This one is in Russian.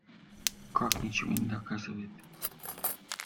Как ничего не доказывает?